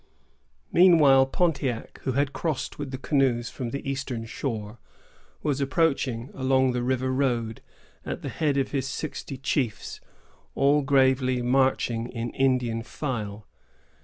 Meanwhile, Pontiac, who had crossed with the canoes from the eastern shore, was approaching along the river road, at the head of his sixty chiefs, all gravely marching in Indian file.